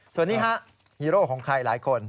ส่วนนี้ฮะฮีโร่ของใครหลายคน